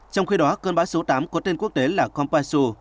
trong khi đó cơn bão số tám có tên quốc tế là kompasu